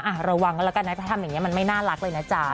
ระวังกันแล้วกันนะถ้าทำอย่างนี้มันไม่น่ารักเลยนะจ๊ะ